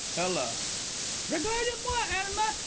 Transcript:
ELLA. Regardez moi, Alma.